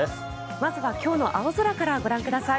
まずは今日の青空からご覧ください。